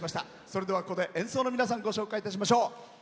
それでは、ここで演奏の皆さんご紹介いたしましょう。